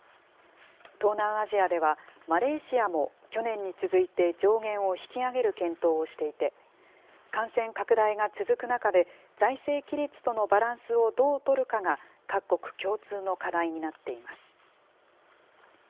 東南アジアでは、マレーシアも去年に続いて上限を引き上げる検討をしていて、感染拡大が続く中で財政規律とのバランスをどう取るかが各国共通の課題になっています。